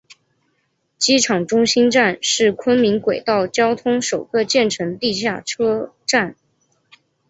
机场中心站是昆明轨道交通首个建成地下车站。